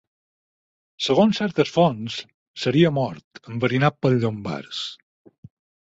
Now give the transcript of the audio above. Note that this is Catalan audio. Segons certes fonts, seria mort enverinat pels llombards.